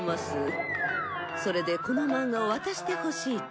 それでこの漫画を渡してほしいって。